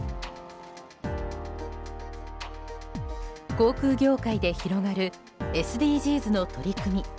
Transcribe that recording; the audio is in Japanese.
航空業界で広がるＳＤＧｓの取り組み。